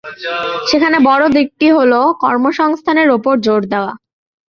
সেখানে বড় দিকটি হলো, কর্মসংস্থানের ওপর জোর দেওয়া।